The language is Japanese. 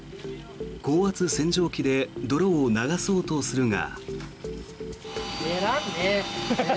高圧洗浄機で泥を流そうとするが。